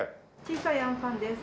小さいあんぱんです。